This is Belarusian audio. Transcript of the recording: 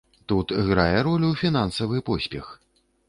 Тут грае ролю фінансавы поспех.